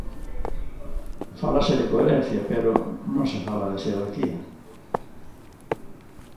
Fálase de coherencia, pero non se fala de xerarquía.